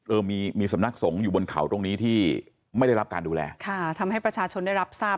เออมีมีสำนักสงฆ์อยู่บนเขาตรงนี้ที่ไม่ได้รับการดูแลค่ะทำให้ประชาชนได้รับทราบ